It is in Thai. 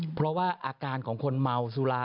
เพราะว่าอาการของคนเมาสุรา